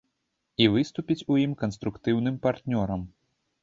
І выступіць у ім канструктыўным партнёрам.